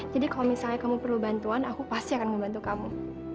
jadi kalau misalnya kamu perlu bantuan aku pasti akan membantu kamu